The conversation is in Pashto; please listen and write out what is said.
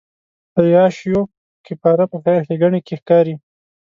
عیاشیو کفاره په خیر ښېګڼې کې ښکاري.